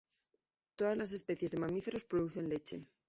Todas las especies de mamíferos producen leche.